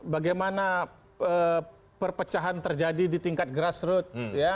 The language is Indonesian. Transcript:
bagaimana perpecahan terjadi di tingkat grassroot